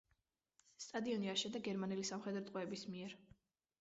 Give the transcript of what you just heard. სტადიონი აშენდა გერმანელი სამხედრო ტყვეების მიერ.